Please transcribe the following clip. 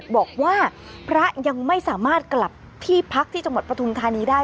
บอกว่าพระยังไม่สามารถกลับที่พักที่จังหวัดปฐุมธานีได้